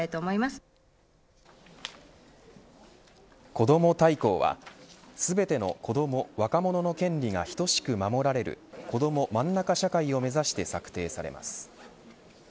こども大綱は全ての子ども・若者の権利が等しく守られるこどもまんなか社会を目指して策定されます。